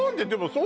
そう